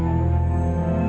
tidak ada yang bisa diberikan